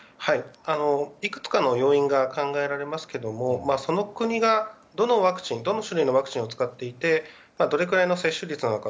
いくつかの要因が考えられますがその国が、どの種類のワクチンを使っていてどれくらいの接種率なのか。